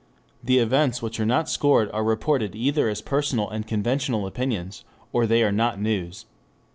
The events which are not scored are reported either as personal and conventional opinions, or they are not news.